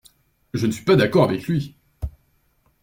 Je ne suis pas d’accord avec lui.